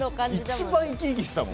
一番生き生きしてたもん。